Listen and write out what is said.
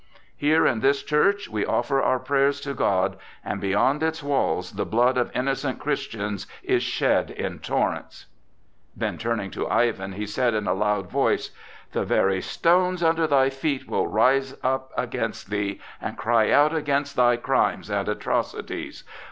Here in this church we offer our prayers to God, and beyond its walls the blood of innocent Christians is shed in torrents." Then turning to Ivan, he said in a loud voice: "The very stones under thy feet will rise against thee and cry out against thy crimes and atrocities!